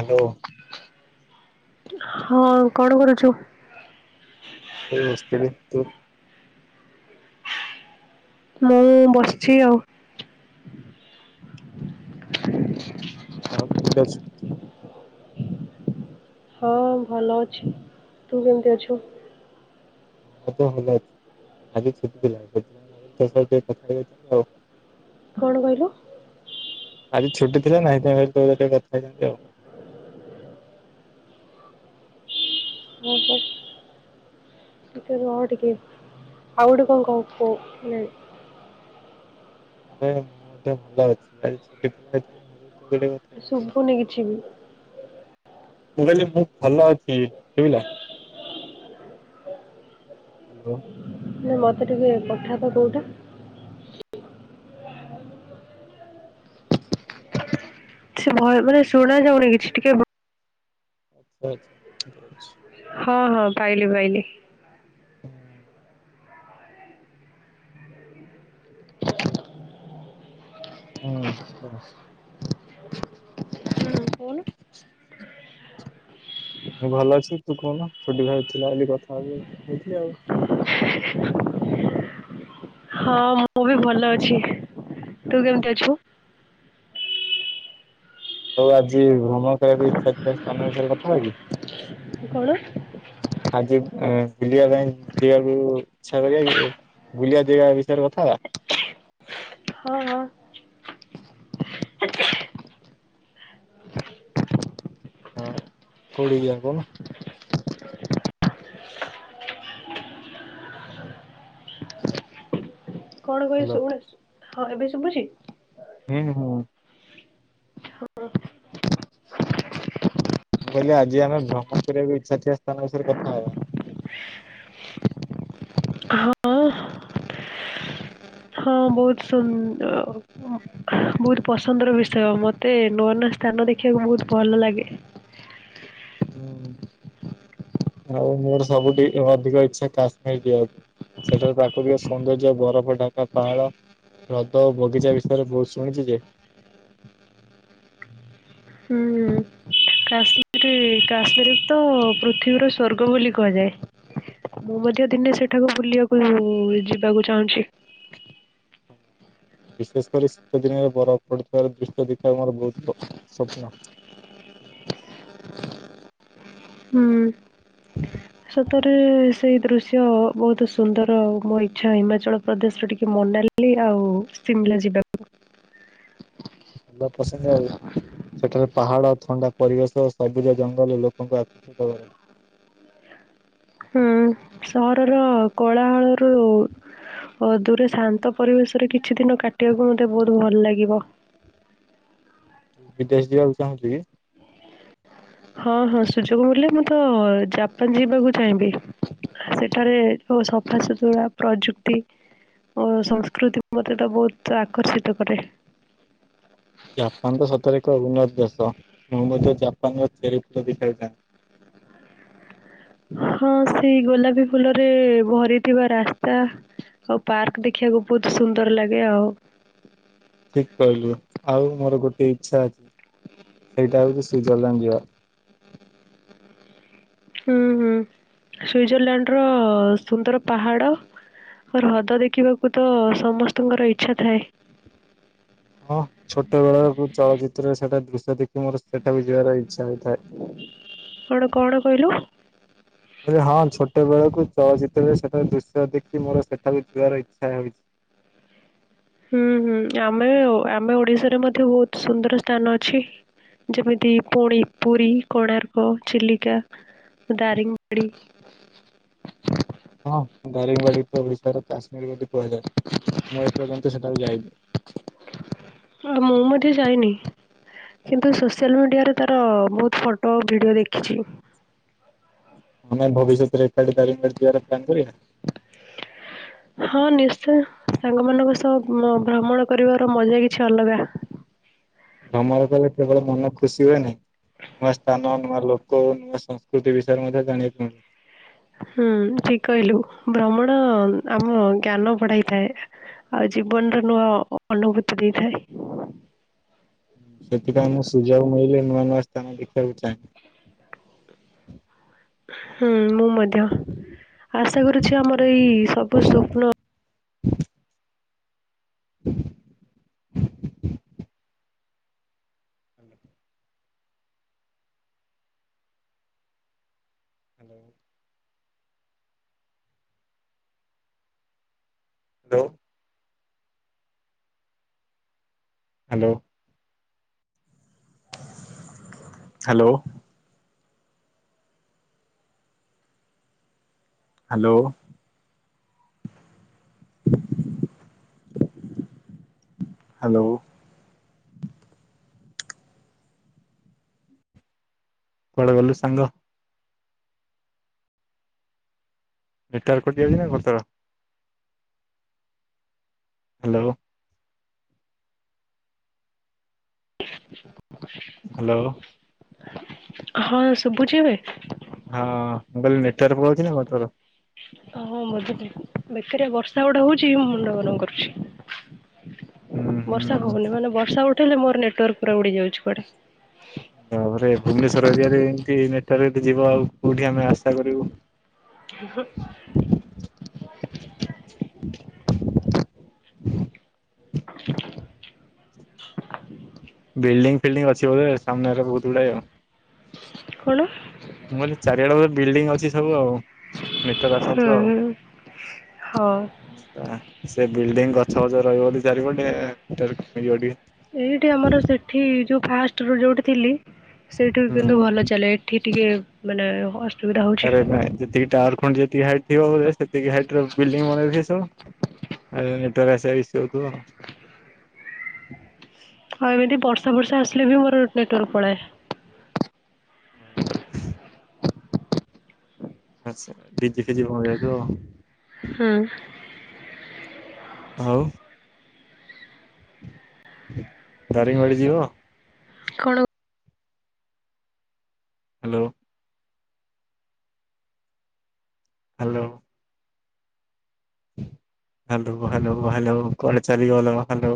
Hello. ହଁ କଣ କରୁଛୁ? ଏ ବସିଥିଲି ତୁ? ମୁଁ ବସିଛି ଆଉ। ଆଉ କେମିତି ଅଛୁ? ହଁ ଭଲ ଅଛି। ତୁ କେମିତି ଅଛୁ? ମୁଁ ବି ଭଲ ଅଛି। ଆଜି ଛୁଟି ଥିଲା ସେଥିପାଇଁ ଭାବିଲି ତୋ ସହ ଟିକେ କଥା ଯାଇଥାନ୍ତି ଆଉ। କଣ କହିଲୁ? ଆଜି ଛୁଟି ଥିଲା ନାଇଁ ତ ତୋ ସହିତ କଥା ହେଇଥାନ୍ତି ଆଉ। ହୁଁ ହୁଁ। ଟିକେ ରହ ଟିକେ ଆଉ ଗୋଟେ କଣ କହ [unintelligible] ଏବେ [unintelligible] ଶୁଭୁନି କିଛି ବି। ମୁଁ କହିଲି ମୁଁ ଭଲ ଅଛି ଶୁଭିଲା। ହ୍ୟାଲୋ। ନା ମୋତେ ଟିକେ ପଠା ତ କୋଉଟା। ସେ ଭଏ ମାନେ ଶୁଣାଯାଉନି କିଛି ଟିକେ ଆଚ୍ଛା ଆଚ୍ଛା ଅଛି। ହଁ ହଁ ପାଇଲି ପାଇଲି। ହଁ ହୁଁ [unintelligible] ହୁଁ କହୁନୁ। ମୁଁ ଭଲ ଅଛି ତୁ କହୁନୁ [unintelligible] ଥିଲା ବୋଲି କଥା ହଉନଥିଲି ଆଉ। ହଁ ମୁଁ ବି ଭଲ ଅଛି ତୁ କେମିତି ଅଛୁ? ହଉ ଆଜି ଭ୍ରମଣ କରିବାକୁ ଇଚ୍ଛା ଥିଲା ସ୍ଥାନ ବିଷୟରେ କଥା ହବା କି? କଣ? ଆଜି ଆ ବୁଲିବା ପାଇଁ ଯିବାପାଇଁ ଇଛା କରିବା କି? ବୁଲିଆ ଜାଗା ବିଷୟରେ କଥା ହେବା। ହଁ ହଁ। ଆଉ କୋଉଠିକି ଯିବା କହୁନୁ? କଣ କହି ହ୍ୟାଲୋ ଶୁଭୁନି ହଁ ଏବେ ଶୁଭୁଚି? ହୁଁ ହୁଁ ହୁଁ। ମୁଁ କହିଲି ଆଜି ଆମେ ଭ୍ରମଣ କରିବାକୁ ଇଚ୍ଛା ଥିବା ସ୍ଥାନ ବିଷୟରେ କଥା ହବା। ହଁ ହଁ ବହୁତ୍ ସୁନ୍ଦର। [unintelligible] ବହୁତ୍ ପସନ୍ଦର ବିଷୟ ମତେ ନୂଆ ନୂଆ ସ୍ଥାନ ଦେଖିବାକୁ ବହୁତ୍ ଭଲ ଲାଗେ। ହୁଁ ଆଉ ମୋର ସବୁଠି ଅଧିକ ଇଛା କାଶ୍ମୀର ଯିବାକୁ। ସେଠାରେ ପ୍ରାକୃତିକ ସୌନ୍ଦର୍ଯ୍ୟ ବରଫ ଢା଼କା ପାହାଡ଼। ହ୍ରଦ ଓ ବଗିଚା ବିଷୟରେ ବହୁତ୍ ଶୁଣିଛି ଯେ ହୁଁ ହୁଁ। ହୁଁ କାଶ୍ମୀରି ତ ପୃଥିବୀର ସ୍ଵର୍ଗ ବୋଲି କୁହାଯାଏ। ମୁଁ ମଧ୍ୟ ଦିନେ ସେଠାକୁ ବୁଲିବାକୁ ଯିବାକୁ ଚାହୁଁଚି। ବିଶେଷ କରି ଶୀତ ଦିନରେ ବରଫ ପଡି଼ଥିବାର ଦୃଶ୍ୟ ଦେଖିବାକୁ ମୋର ବହୁତ୍ ସ୍ୱପ୍ନ। ହୁଁ। ସତରେ ସେଇ ଦୃଶ୍ୟ ବହୁତ୍ ସୁନ୍ଦର ମୋ ଇଚ୍ଛା ହିମାଚଳ ପ୍ରଦେଶରେ ଟିକେ ମନାଲି ମନାଲି ଆଉ ସିମିଲା ଯିବା। [unintelligible] ପସନ୍ଦ ଆଉ। ସେଠାରେ ପାହାଡ଼ ଥଣ୍ଡା ପରିବେଶ ଓ ସବୁଜ ଜଙ୍ଗଲ ଲୋକଙ୍କୁ ଆକ ହୁଁ ସହରର କୋଳାହଳରୁ ଓ ଦୂରେ ଶାନ୍ତ ପରିବେଶରେ କିଛି ଦିନ କାଟିବାକୁ ମତେ ବହୁତ୍ ଭଲ ଲାଗିବ। ବିଦେଶ ଯିବାକୁ ଚାହୁଁଚୁ କି? ହଁ ହଁ ସୁଯୋଗ ମିଳିଲେ ମୁଁ ତ ଜାପାନ୍ ଯିବାକୁ ଚାହିଁବି। ସେଠାରେ ସବୁ ସଫାସୁତୁରା ପ୍ରଯୁକ୍ତି ଓ ସଂସ୍କୃତିକୁ ମୋତେ ତ ବହୁତ୍ ଆକର୍ଷିତ କରେ। ଜାପାନ୍ ତ ସତରେ ଏକ ଉନ୍ନତ ଦେଶ ମୁଁ ମଧ୍ୟ ଜାପାନ୍ ର ଚେରି ଫୁଲ ଦେଖିବାକୁ ଚାହେଁ। ହଁ ସେଇ ଗୋଲାପୀ ଫୁଲରେ ଭରିଥିବା ରାସ୍ତା ଆଉ ପାର୍କ ଦେଖିବାକୁ ବହୁତ୍ ସୁନ୍ଦର ଲାଗେ ଆଉ। ଠିକ୍ କହିଲୁ ଆଉ ମୋର ଗୋଟେ ଇଚ୍ଛା ଅଛି ସେଇଟା ହଉଛି ସୁଇଜରଲ୍ୟାଣ୍ଡ ଯିବା। ହୁଁ ହୁଁ ସୁଇଜରଲ୍ୟାଣ୍ଡ ର ସୁନ୍ଦର ପାହାଡ଼ ହ୍ରଦ ଦେଖିବାକୁ ତ ସମସ୍ତଙ୍କର ଇଚ୍ଛା ଥାଏ। ହଁ ଛୋଟ ବେଳକୁ ଚଳଚିତ୍ରରେ ସେଟା ଦୃଶ୍ୟ ଦେଖି ମୋର ସେଇଟା ବି ଯିବାର ଇଚ୍ଛା ହେଇଥାଏ। କଣ କଣ କହିଲୁ? ହଁ ଛୋଟ ବେଳକୁ ଚଳଚିତ୍ରରେ ସେଠାରେ ଦୃଶ୍ୟ ଦେଖି ମୋର ସେଠା ବି ଯିବାର ଇଚ୍ଛା ହେଉଛି। ହୁଁ ହୁଁ ଆମେ ଆମେ ଓଡିଶାରେ ମଧ୍ୟ ବହୁତ ସୁନ୍ଦର ସ୍ଥାନ ଅଛି। ଯେମିତି ପୁଣି ପୁରୀ କୋଣାର୍କ ଚିଲିକା ଦାରିଙ୍ଗବାଡି। ହଁ ଦାରିଙ୍ଗବାଡ଼ି କୁ ତ ଓଡିଶାର କାଶ୍ମୀର ବୋଲି କୁହାଯାଏ। ମୁଁ ଏପର୍ଯ୍ୟନ୍ତ ସେଟାକୁ ଯାଇନି। ହୁଁ ମୁଁ ମଧ୍ୟ ଯାଇନି। କିନ୍ତୁ ସୋସିଆଲ ମିଡ଼ିଆରେ ତାର ବହୁତ ଫଟୋ ଭିଡ଼ିଓ ଦେଖିଛି। ଆମେ ଭବିଷ୍ୟତରେ ଏକାଠି ଦାରିଙ୍ଗବାଡ଼ି ଯିବାର ପ୍ଲାନ୍ କରିବା? ହଁ ନିଶ୍ଚୟ ସାଙ୍ଗ ମାନଙ୍କ ସହ ଭ୍ରମଣ କରିବାର ମଜା କିଛି ଅଲଗା ଭ୍ରମଣ କଲେ କେବଳ ମନ ଖୁସି ହୁଏ ନାହିଁ ନୂଆ ସ୍ଥାନ ନୂଆ ଲୋକ ଓ ନୂଆ ସଂସ୍କୃତି ବିଷୟରେ ମଧ୍ୟ ଜାଣିବାକୁ ମିଳିବ। ହୁଁ ଠିକ କହିଲୁ ଭ୍ରମଣ ଆମ ଜ୍ଞାନ ବଢାଇଥାଏ। ଆଉ ଜୀବନର ନୂଆ ଅନୁଭୂତି ଦେଇଥାଏ। ସେଥିପାଇଁ ମୁଁ ସୁଯୋଗ ମିଳିଲେ ନୂଆ ନୂଆ ସ୍ଥାନ ଦେଖିବାକୁ ଚାହେଁ। ହୁଁ ମୁଁ ମଧ୍ୟ ଆଶା କରୁଛି ଆମର ଏଇ ସବୁ ସ୍ୱପ୍ନ hello hello hello. Hello. Hello କୁଆଡ଼େ ଗଲୁ ସାଙ୍ଗ? ନେଟୱାର୍କ କଟିଯାଉଚି ନା [unintelligible] ହ୍ୟାଲୋ ହ୍ୟାଲୋ ହଁ ଶୁଭୁଛିି ଏବେ? ହଁ ମୁଁ କହିଲି ନେଟୱାର୍କ ନା? [unintelligible] ଓ ହଁ ବେକାରିଆ ବର୍ଷା ଗୋଟେ ହଉଛି ମୁଁ ମୁଣ୍ଡ ଗରମ କରୁଛି। ହୁଁ ବର୍ଷା ହୁଁ ହଉନି ମାନେ ବର୍ଷା ଉଠେଇଲେ ମୋର ନେଟୱାର୍କ ପୁରା ଉଡ଼ି ଯାଉଛି କୁଆଡ଼େ। ତାପରେ ଭୁବନେଶ୍ଵର ଏରିଆରେ ଏମିତି ନେଟୱର୍କ ଯିବ ଆଉ କୋଉଁଠି ଆମେ ଆଶା କରିବୁ? ହୁଁ ବିଲ୍ଡିଙ୍ଗ ଫିଲ୍ଡିଙ୍ଗଂ ଅଛି ବୋଧେ ସାମ୍ନାରେ ବହୁତ ଗୁଡ଼ାଏ ଆଉ। କଣ? ମୁଁ କହିଲି ଚାରିଆଡେ ବିଲ୍ଡିଂ ଅଛି ସବୁ ଆଉ। ନେଟୱର୍କ ହୁଁ। ଆସୁନଥିବ ହଁ ଆଉ। ସେ ବିଲଡିଂ ଗଛ ପଛ ରହିବ ବୋଲି ଚାରି ପଟେ ନେଟୱର୍କ ମିଳିବନି। ଏଇଠି ଆମର ସେଠି ଯୋଉଁ ଫାଷ୍ଟ ର ଯୋଉଁଠି ଥିଲି ସେଇଠି କିନ୍ତୁ ହୁଁ ଭଲ ଚାଲେ ଏଠି ଟିକେ ମାନେ ହ ଆରେ ନାଇଁ ଯେତିକି ଟାୱାର ଖୁଣ୍ଟି ଯେତିକି ହାଇଟ ଥିବ ବୋଲେ ସେତିକି ହାଇଟ ବିଲ୍ଡିଂ ବନେଇ ଥିବେ ସବୁ। ଆଉ ନେଟୱର୍କ ଆସିବା ଇସୁ ହଉଥିବ। ହଁ ଏମିତି ବର୍ଷା ବର୍ଷା ଆସିଲେ ବି ମୋର ନେଟୱାର୍କ ପଳାଏ। ଆଛା ଡିଜି ଫିଜି ବନ୍ଦ ହେଇଯାଉଥିବ। ହୁଁ। [unintelligible] ଦାରିଙ୍ଗବାଡ଼ି ଯିବ? କଣ? Hello. Hello. Hello hello hello କୁଆଡ଼େ ଚାଲିଗଲ ହାଲୋ।